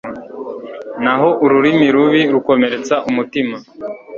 naho ururimi rubi rukomeretsa umutima